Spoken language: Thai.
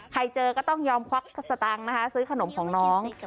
เจอก็ต้องยอมควักสตางค์นะคะซื้อขนมของน้อง